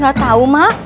gak tau ma